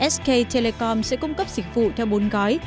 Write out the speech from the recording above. sk telecom sẽ cung cấp dịch vụ theo bốn gói